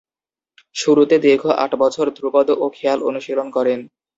শুরুতে দীর্ঘ আট বছর ধ্রুপদ ও খেয়াল অনুশীলন করেন।